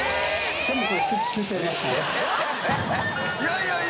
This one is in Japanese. いやいや！